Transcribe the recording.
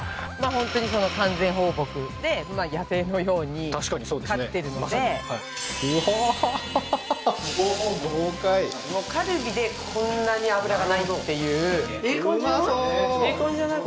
本当に完全放牧で野生のように飼ってるのでうわー豪快カルビでこんなに脂がないっていううまそういい感じじゃない？